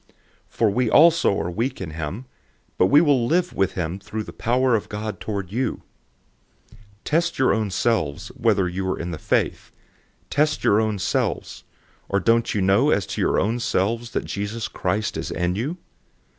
For we also are weak in him, but we will live with him through the power of God toward you. 013:005 Test your own selves, whether you are in the faith. Test your own selves. Or don't you know as to your own selves, that Jesus Christ is in you?